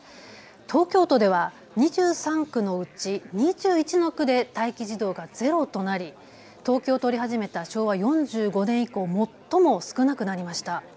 東京都では２３区のうち２１の区で待機児童がゼロとなり統計を取り始めた昭和４５年以降、最も少なくなりました。